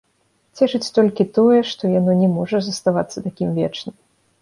Цешыць толькі тое, што яно не можа заставацца такім вечна.